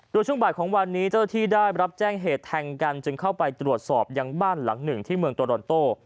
โดยช่วงบ่ายของวันนี้เจ้าที่ได้รับแจ้งเหตุแทงกันจึงเข้าไปตรวจสอบยังบ้านหลังหนึ่งที่เมืองโตรอนโต